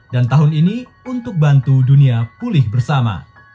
tahun ini untuk bantu dunia pulih bersama